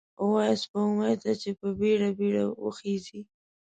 ووایه سپوږمۍ ته، چې په بیړه، بیړه وخیژئ